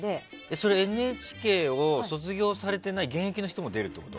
それ、ＮＨＫを卒業されていない現役の人も出るってこと？